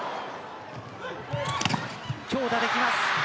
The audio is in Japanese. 強打で、きます。